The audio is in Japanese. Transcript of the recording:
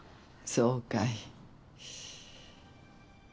そうかい。